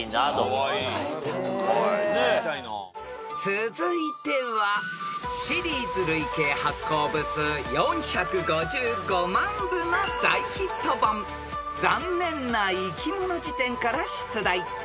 ［続いてはシリーズ累計発行部数４５５万部の大ヒット本『ざんねんないきもの事典』から出題］